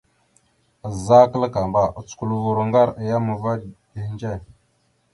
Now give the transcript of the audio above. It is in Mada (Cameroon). Azza kǝlakamba, ocǝkulvurro ngar a yam va ehindze.